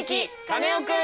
カネオくん」。